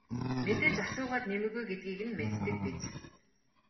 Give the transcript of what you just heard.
Мэдээж асуугаад нэмэргүй гэдгийг нь мэддэг биз.